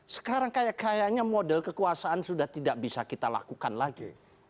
sekarang kayaknya model kekuasaan sudah tidak bisa kita lakukan lagi